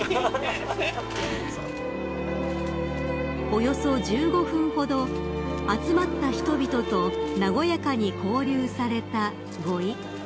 ［およそ１５分ほど集まった人々と和やかに交流されたご一家］